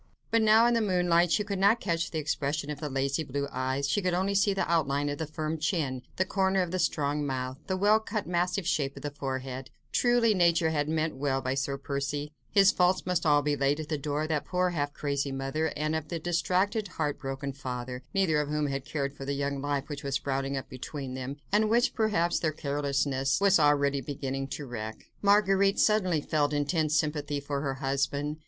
But now, in the moonlight, she could not catch the expression of the lazy blue eyes; she could only see the outline of the firm chin, the corner of the strong mouth, the well cut massive shape of the forehead; truly, nature had meant well by Sir Percy; his faults must all be laid at the door of that poor, half crazy mother, and of the distracted heart broken father, neither of whom had cared for the young life which was sprouting up between them, and which, perhaps, their very carelessness was already beginning to wreck. Marguerite suddenly felt intense sympathy for her husband.